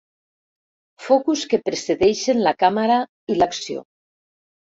Focus que precedeixen la càmera i l'acció.